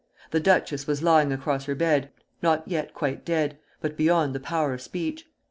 The duchess was lying across her bed, not yet quite dead, but beyond the power of speech.